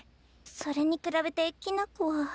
それに比べてきな子は。